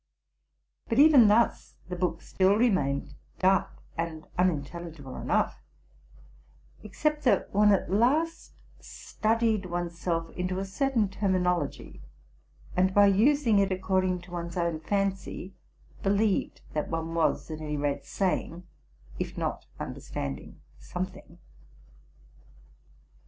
But even thus the book still remained dark and unintelligible enough, ex cept that one at last studied one's self into a certain term inology, and, by using it according to one's own fancy, believed that one was, at any rate, saying, if not under standing, something.